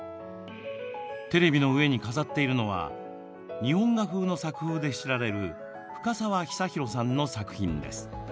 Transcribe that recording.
テレビの上に飾っているのは日本画風の作風で知られる深沢尚宏さんの作品です。